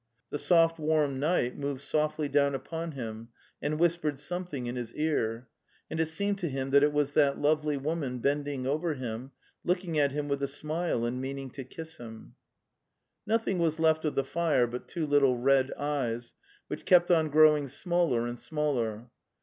... The soft warm night moved softly down upon him and whispered something in his ear, and it seemed to him that it was that lovely woman bending over him, looking at him with a smile and meaning to kiss him))727": Nothing was left of the fire but two little red eyes, which kept on growing smaller and smaller.